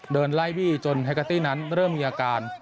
เดินไล่บี้จนแฮกเกอร์ตี้นั้นเริ่มมีอาการ